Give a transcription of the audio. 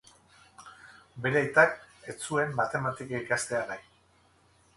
Bere aitak ez zuen matematika ikastea nahi.